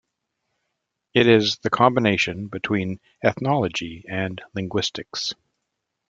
It is the combination between ethnology and linguistics.